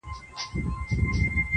په کور کلي کي اوس ګډه واویلا وه-